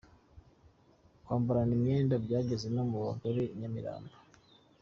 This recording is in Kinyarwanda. Kwambarana imyenda byageze no mu bagore I Nyamirambo.